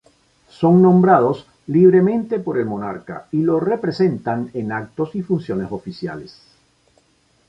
Son nombrados libremente por el Monarca y lo representan en actos y funciones oficiales.